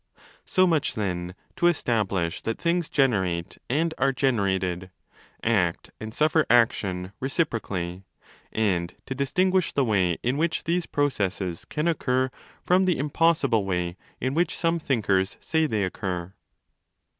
® So much, then, to establish that things generate and are generated, act and suffer action, reciprocally ; and to dis tinguish the way in which these processes cam occur from the (impossible) way in which some thinkers say they occur.